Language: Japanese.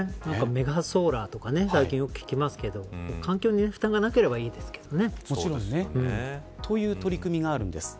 メガソーラーとか最近よく聞きますけど環境に負担がなければいいですけどね。という取り組みがあるんですね。